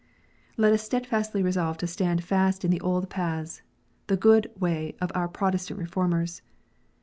Let us steadfastly resolve to stand fast in the old paths, the good way of our Protestant Reformers.